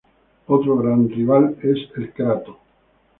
Otro gran rival es el Crato.